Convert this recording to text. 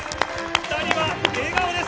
２人は笑顔です。